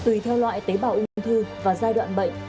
tùy theo loại tế bào ung thư và giai đoạn bệnh